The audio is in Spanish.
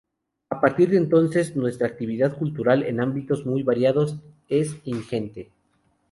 A partir de entonces, nuestra actividad cultural en ámbitos muy variados es ingente.